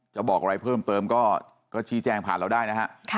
บอกอะไรเพิ่มเติมก็ชี้แจ้งผ่านเราได้นะฮะ